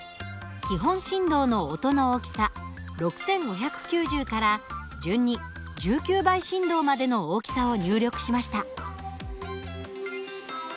基本振動の音の大きさ６，５９０から順に１９倍振動までの大きさを入力しました。